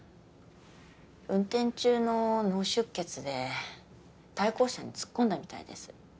運転中の脳出血で対向車に突っ込んだみたいです